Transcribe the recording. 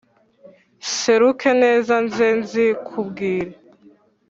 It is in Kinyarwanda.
Nseruke neza nze nzikubwire